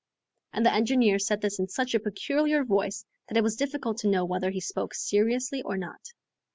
And the engineer said this in such a peculiar voice that it was difficult to know whether he spoke seriously or not.